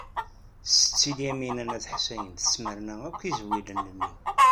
Setti Lyamina n At Ḥsayen tesmerna akk izwilen-nni.